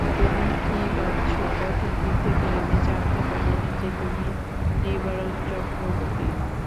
তুমি কি ভাবছ প্রথম দিন থেকেই আমি জানতে পারি নি যে তুমিই নিবারণ চক্রবর্তী।